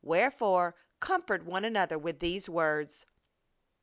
Wherefore comfort one another with these words.